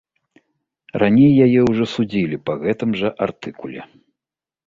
Раней яе ўжо судзілі па гэтым жа артыкуле.